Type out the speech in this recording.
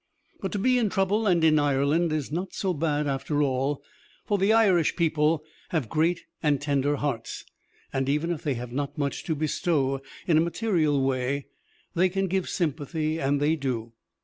But to be in trouble and in Ireland is not so bad after all, for the Irish people have great and tender hearts; and even if they have not much to bestow in a material way, they can give sympathy, and they do.